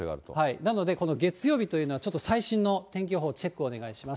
なので、この月曜日というのはちょっと最新の天気予報、チェックをお願いします。